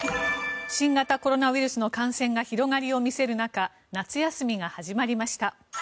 新型コロナウイルスの感染が広がりを見せる中夏休みが始まりました。